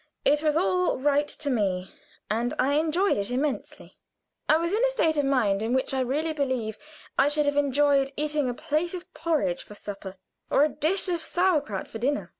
It was all right to me, and I enjoyed it immensely. I was in a state of mind in which I verily believe I should have enjoyed eating a plate of porridge for supper, or a dish of sauerkraut for dinner.